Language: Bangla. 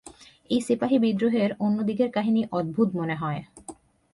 এই সিপাহী বিদ্রোহের অন্য দিকের কাহিনী অদ্ভুত মনে হয়।